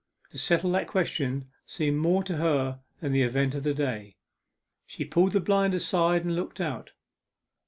To settle that question seemed more to her than the event of the day. She pulled the blind aside and looked out.